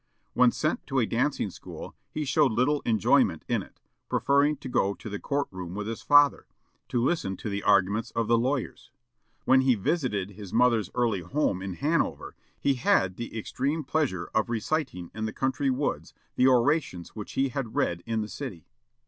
When sent to dancing school he showed little enjoyment in it, preferring to go to the court room with his father, to listen to the arguments of the lawyers. When he visited his mother's early home in Hanover, he had the extreme pleasure of reciting in the country woods the orations which he had read in the city.